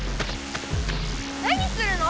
何するの！